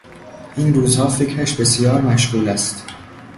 این روزها فکرش بسیار مشغول است.